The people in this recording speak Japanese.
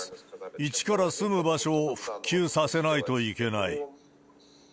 一から住む場所を復旧させないといけない。